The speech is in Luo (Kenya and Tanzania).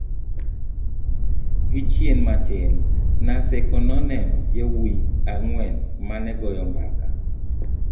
gi chien matin Naseko noneno yawuyi ang'wen manegoyo mbaka